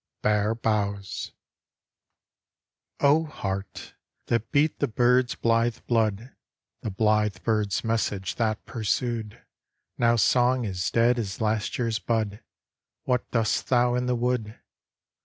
BARE BOUGHS O heart, that beat the bird's blithe blood, The blithe bird's message that pursued, Now song is dead as last year's bud, What dost thou in the wood?